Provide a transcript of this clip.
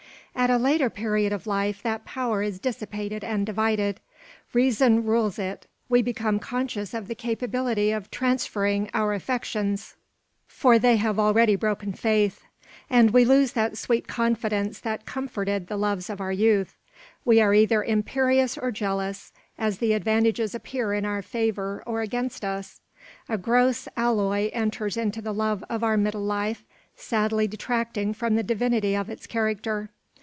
At a later period of life that power is dissipated and divided. Reason rules it. We become conscious of the capability of transferring our affections, for they have already broken faith; and we lose that sweet confidence that comforted the loves of our youth. We are either imperious or jealous, as the advantages appear in our favour or against us. A gross alloy enters into the love of our middle life, sadly detracting from the divinity of its character.